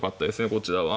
こちらは。